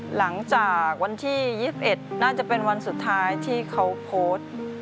หลังจากวันที่๒๑น่าจะเป็นวันสุดท้ายที่เขาโพสต์